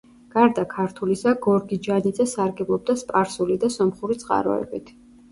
გარდა ქართულისა, გორგიჯანიძე სარგებლობდა სპარსული და სომხური წყაროებით.